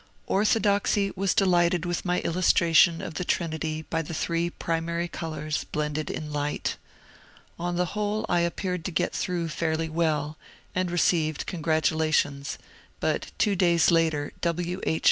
Orthodoxy was delighted with my illustration of the Trinity by the three primary colours blended in light. On the whole I appeared to get through fairly well, and received congratu lations, but two days later W. H.